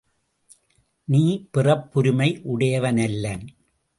நீ பிறப்புரிமை உடையவனல்லன்!